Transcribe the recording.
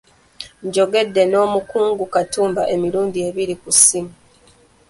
Njogedde n'omukungu Katumba emirundi ebiri ku ssimu.